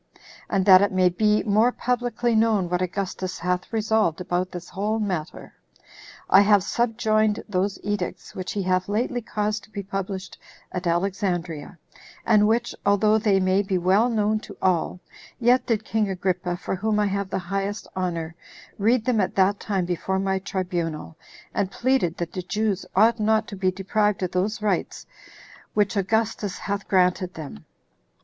And that it may be more publicly known what Augustus hath resolved about this whole matter, I have subjoined those edicts which he hath lately caused to be published at Alexandria, and which, although they may be well known to all, yet did king Agrippa, for whom I have the highest honor, read them at that time before my tribunal, and pleaded that the Jews ought not to be deprived of those rights which Augustus hath granted them.